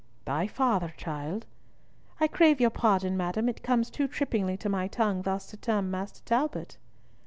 "Thy father, child?" "I crave your pardon, madam, it comes too trippingly to my tongue thus to term Master Talbot."